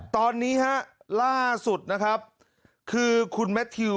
จำได้